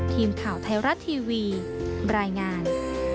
ทีมข่าวไทยรัฐทีวีรายงาน